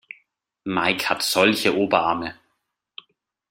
Mike hat solche Oberarme.